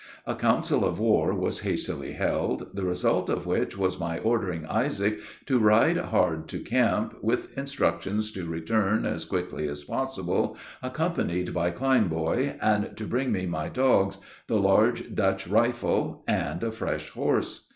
A council of war was hastily held, the result of which was my ordering Isaac to ride hard to camp, with instructions to return as quickly as possible, accompanied by Kleinboy, and to bring me my dogs, the large Dutch rifle, and a fresh horse.